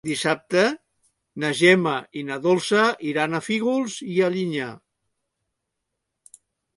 Dissabte na Gemma i na Dolça iran a Fígols i Alinyà.